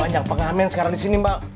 banyak pengamen sekarang di sini mbak